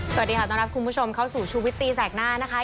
สวัสดีค่ะต้อนรับคุณผู้ชมเข้าสู่ชูวิตตีแสกหน้านะคะ